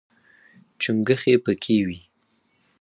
چونګښې پکې وي.